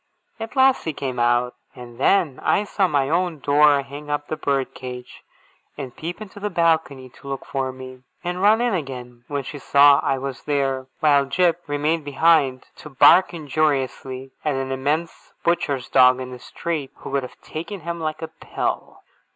At last he came out; and then I saw my own Dora hang up the bird cage, and peep into the balcony to look for me, and run in again when she saw I was there, while Jip remained behind, to bark injuriously at an immense butcher's dog in the street, who could have taken him like a pill.